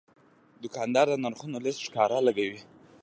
دوکاندار د نرخونو لیست ښکاره لګوي.